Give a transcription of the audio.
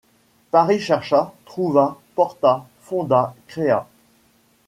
Paris chercha, trouva, porta, fonda, créa